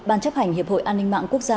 ban chấp hành hiệp hội an ninh mạng quốc gia